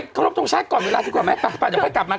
ไปข้ารบช่องชาติก่อนเวลาไปกับกัน